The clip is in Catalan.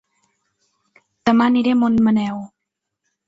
Dema aniré a Montmaneu